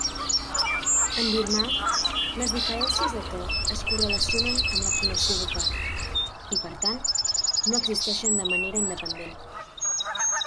En birmà, les diferències de to es correlacionen amb la fonació vocal i, per tant, no existeixen de manera independent.